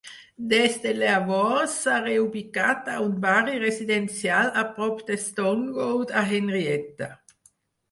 Des de llavors s'ha reubicat a un barri residencial a prop de Stone Road a Henrietta.